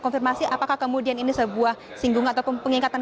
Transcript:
konfirmasi apakah kemudian ini sebuah singgung ataupun pengingatan